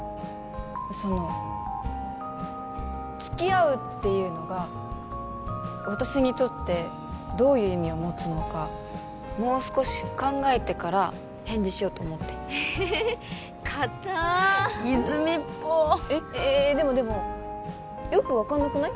その付き合うっていうのが私にとってどういう意味を持つのかもう少し考えてから返事しようと思ってかた泉っぽえっでもでもよく分かんなくない？